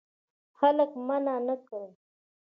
خلک منع نه کړې.